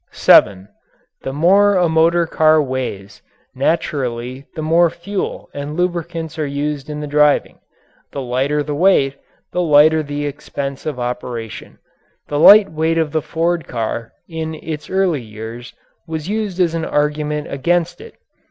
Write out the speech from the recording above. (7) The more a motor car weighs, naturally the more fuel and lubricants are used in the driving; the lighter the weight, the lighter the expense of operation. The light weight of the Ford car in its early years was used as an argument against it.